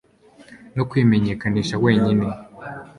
no kwimenyekanisha wenyine